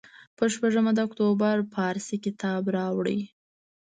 پر شپږمه د اکتوبر پارسي کتاب راوړ.